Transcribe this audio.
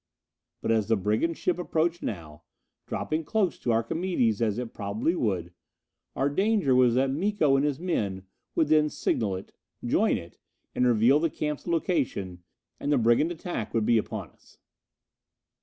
But as the brigand ship approached now dropping close to Archimedes as it probably would our danger was that Miko and his men would then signal it, join it, and reveal the camp's location, and the brigand attack would be upon us.